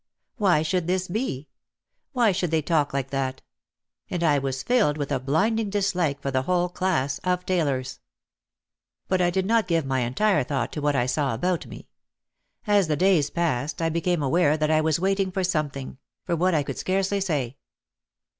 "Why should this be? Why should they talk like that?" And I was filled with a blinding dislike for the whole class of tailors. But I did not give my entire thought to what I saw about me. As the days passed I became aware that I was waiting for something, for what I could scarcely say.